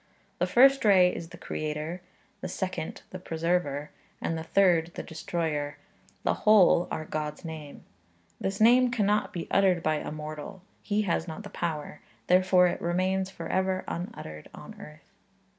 The first ray is the Creator, the second the Preserver, and the third the Destroyer; the whole are God's Name. This name cannot be uttered by a mortal; he has not the power; therefore it remains for ever unuttered on earth.